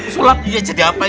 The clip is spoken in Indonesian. sulap jadi apa ini